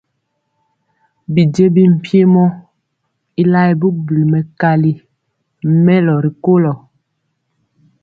Bijiémbi mpiemɔ y laɛɛ bubuli mɛkali mɛlɔ ri kolo.